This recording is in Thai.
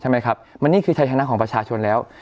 มันนี่คือใฉธนของประชาชนแล้ว